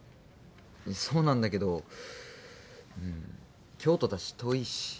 いやそうなんだけどうん京都だし遠いし。